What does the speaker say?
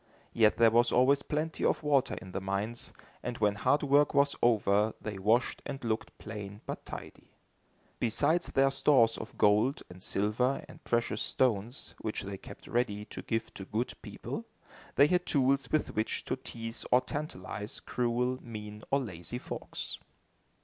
Yet there was always plenty of water in the mines, and when hard work was over they washed and looked plain but tidy. Besides their stores of gold, and silver, and precious stones, which they kept ready, to give to good people, they had tools with which to tease or tantalize cruel, mean or lazy folks.